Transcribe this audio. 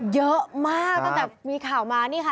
เยอะมากตั้งแต่มีข่าวมานี่ค่ะ